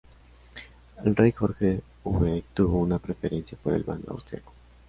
El rey Jorge V tuvo una preferencia por el bando austriaco.